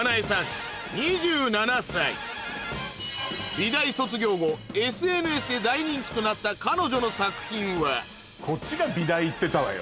美大卒業後ＳＮＳで大人気となった彼女の作品はこっちが美大行ってたわよ。